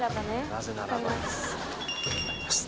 なぜならば頑張ります